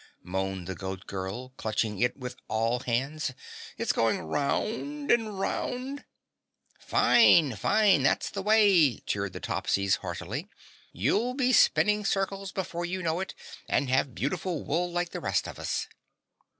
moaned the Goat Girl, clutching it with all hands. "It's going round and round " "Fine! Fine! That's the way!" cheered the Topsies heartily. "You'll be spinning circles before you know it and have beautiful wool like the rest of us."